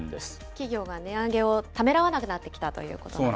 企業が値上げをためらわなくなってきたということなんですね。